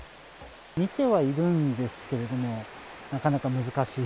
見てはいるんですけれども、なかなか難しい。